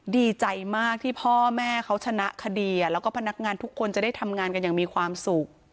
ดีใจมากที่พ่อแม่เขาชนะคดีแล้วก็พนักงานทุกคนจะได้ทำงานกันอย่างมีความสุข